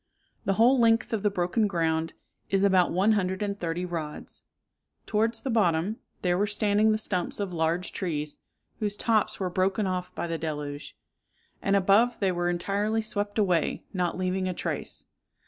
The whole length of the broken ground is about one hundred and thirty rods. Towards the bottom there were standing the stumps of large trees, whose tops were broken off by the deluge; and above they were entirely swept away, not leaving a trace.